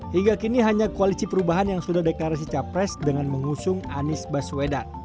hingga kini hanya koalisi perubahan yang sudah deklarasi capres dengan mengusung anies baswedan